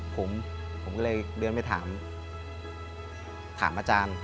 ผมผมก็เลยเดินไปถามอาจารย์